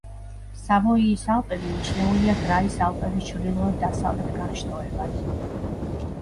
სავოიის ალპები მიჩნეულია გრაის ალპების ჩრდილოეთ-დასავლეთ განშტოებად.